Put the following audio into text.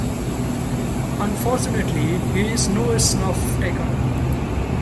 Unfortunately he is no snuff-taker.